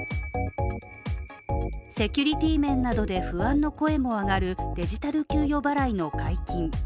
セキュリティ面などで不安の声も上がるデジタル給与払いの解禁。